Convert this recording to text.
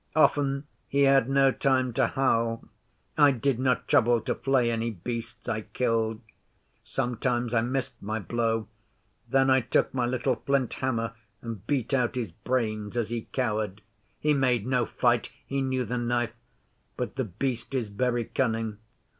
Often he had no time to howl. I did not trouble to flay any beasts I killed. Sometimes I missed my blow. Then I took my little flint hammer and beat out his brains as he cowered. He made no fight. He knew the Knife! But The Beast is very cunning.